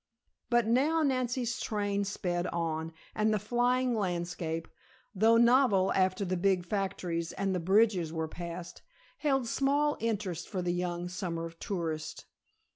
But now Nancy's train sped on, and the flying landscape, though novel after the big factories and the bridges were passed, held small interest for the young summer tourist.